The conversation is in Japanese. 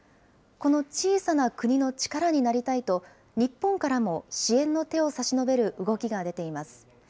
この小さな国の力になりたいと、日本からも支援の手を差し伸べる動きが出ています。